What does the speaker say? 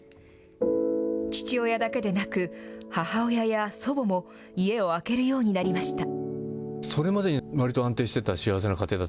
父親だけでなく、母親や祖母も、家をあけるようになりました。